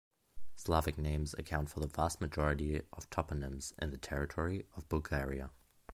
Slavic names account for the vast majority of toponyms on the territory of Bulgaria.